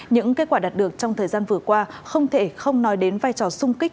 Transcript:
những kết quả đạt được trong thời gian vừa qua không thể không nói đến vai trò sung kích